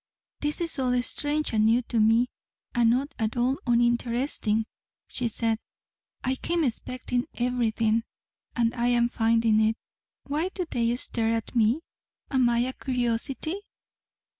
"This is all strange and new to me and not at all uninteresting," she said. "I came expecting everything. And I am finding it. Why do they stare at me so? Am I a curiosity?"